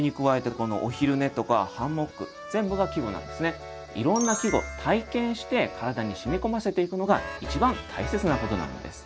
それに加えてこのいろんな季語体験して体に染み込ませていくのが一番大切なことなんです。